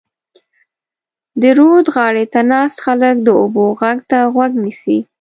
د رود غاړې ته ناست خلک د اوبو غږ ته غوږ نیسي.